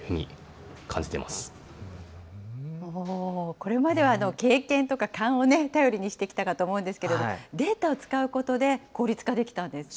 これまでは経験とか勘を頼りにしてきたかと思うんですけれど、データを使うことで効率化できたんですね。